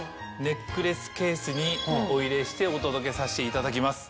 ネックレスケースにお入れしてお届けさせていただきます。